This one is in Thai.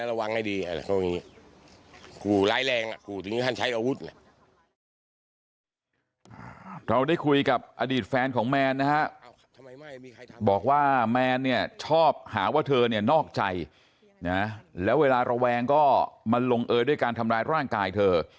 จะงุ่งเมียนี้ถ้าต่อไปเนี่ยไม่ใช่เจนนะต่อไปพ่อแม่นระวังให้ดี